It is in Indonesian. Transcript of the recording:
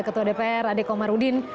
ketua dpr adek omarudin